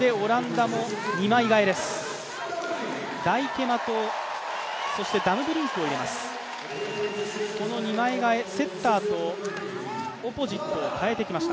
ダイケマとダムブリンクを入れていきます。